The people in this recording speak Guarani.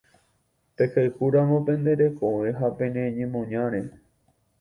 Pehayhúramo pende rekove ha pene ñemoñare.